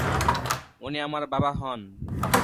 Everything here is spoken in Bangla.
উনি আপনার বাবা হন।